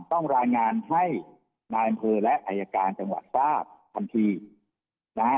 ต้องรายงานให้นายอำเภอและอายการจังหวัดทราบทันทีนะฮะ